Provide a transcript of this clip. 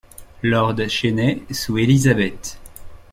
Lord Chenay sous Élisabeth.